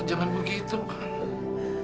jangan begitu pak